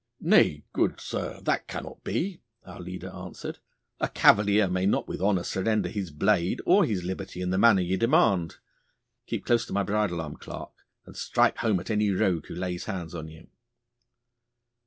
'Nay, good sir, that cannot be,' our leader answered. 'A cavalier may not with honour surrender his blade or his liberty in the manner ye demand. Keep close to my bridle arm, Clarke, and strike home at any rogue who lays hands on you.